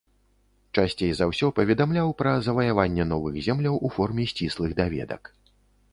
Часцей за ўсё паведамляў пра заваяванне новых земляў у форме сціслых даведак.